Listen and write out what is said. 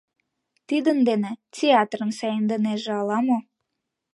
Тидын дене театрым саемдынеже ала-мо?